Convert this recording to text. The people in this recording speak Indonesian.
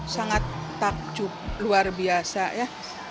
sangat takjub luar biasa ya